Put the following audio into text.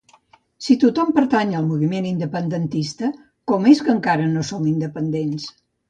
Si tothom pertany al moviment independentista com és que encara no som independents?